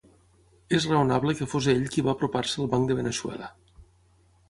És raonable que fos ell qui va apropar-se al banc de Veneçuela.